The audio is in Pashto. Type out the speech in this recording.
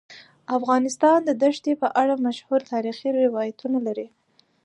افغانستان د دښتې په اړه مشهور تاریخی روایتونه لري.